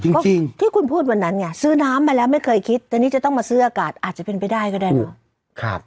ก็ที่คุณพูดวันนั้นไงซื้อน้ำมาแล้วไม่เคยคิดแต่นี่จะต้องมาซื้ออากาศอาจจะเป็นไปได้ก็ได้เนอะ